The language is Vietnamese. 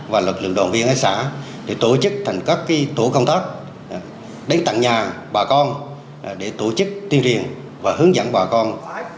và lực lượng đoàn viên xã tổ chức thành các tổ công tác đánh tặng nhà bà con để tổ chức tuyên truyền và hướng dẫn bà con